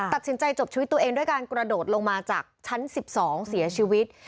ตัดสินใจจบชีวิตตัวเองด้วยการกระโดดลงมาจากชั้น๑๒เสียชีวิต